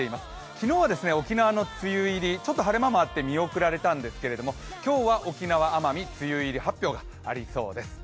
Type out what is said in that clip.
昨日は沖縄の梅雨入り、ちょっと晴れ間もあって見送られたんですけれども、今日は沖縄・奄美梅雨入り発表がありそうです。